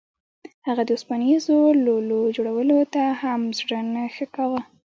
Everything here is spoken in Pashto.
هغه د اوسپنیزو لولو جوړولو ته هم زړه نه ښه کاوه